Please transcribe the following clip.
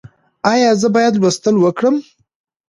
ایا زه باید لوستل وکړم؟